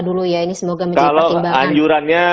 dulu ya ini semoga menjadi pertimbangan kalau anjurannya